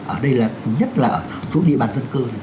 ở đây là nhất là chỗ địa bàn dân cư